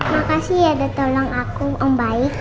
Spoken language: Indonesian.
makasih ya udah tolong aku om baik